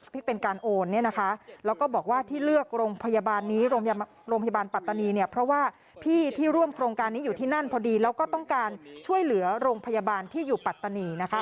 ที่เป็นการโอนเนี่ยนะคะแล้วก็บอกว่าที่เลือกโรงพยาบาลนี้โรงพยาบาลปัตตานีเนี่ยเพราะว่าพี่ที่ร่วมโครงการนี้อยู่ที่นั่นพอดีแล้วก็ต้องการช่วยเหลือโรงพยาบาลที่อยู่ปัตตานีนะคะ